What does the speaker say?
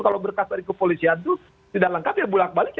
kalau berkas dari kepolisian itu tidak lengkap ya bulat balik